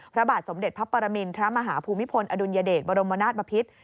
พระบาทสมเด็จพระปรมินทรมาฮภูมิพลอดุลยเดชบรมนาศบพิษ